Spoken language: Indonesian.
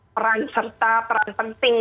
peran serta peran penting